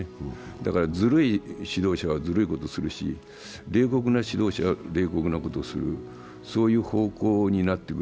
だからずるい指導者はずるいことするし、冷酷な指導者は冷酷なことをする、そういう方向になってくる。